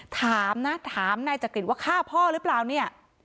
ถามนะถามนายจักริตว่าฆ่าพ่อหรือเปล่าเนี่ย